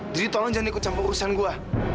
jadi tolong jangan ikut campur urusan gue